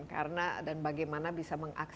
iya karena dan bagaimana bisa menggabungkan